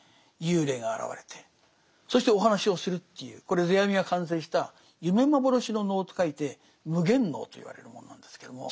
幽霊が現れてそしてお話をするというこれ世阿弥が完成した夢幻の能と書いて「夢幻能」と言われるものなんですけども。